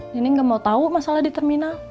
dining gak mau tahu masalah di terminal